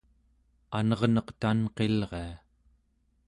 anerneq tanqilria